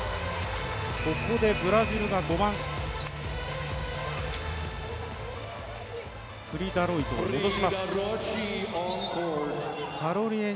ここでブラジルが５番、プリ・ダロイトを戻します。